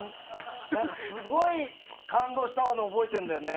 すごい感動したの覚えているんだよね。